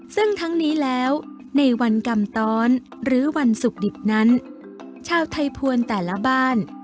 ซึ่งทั้งนี้แล้วในวันกำตอนหรือวันศุกร์ดิบนั้นชาวไทยภวรแต่ละบ้าน